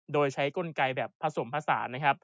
โดยใช้กลไกลแบบผสมผสาน